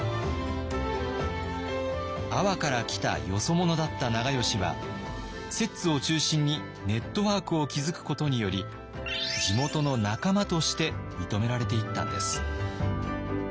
「阿波から来たよそ者」だった長慶は摂津を中心にネットワークを築くことにより地元の仲間として認められていったんです。